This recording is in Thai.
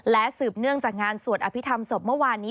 และสืบเนื่องจากงานสวดอภิษฐรรมศพเมื่อวานนี้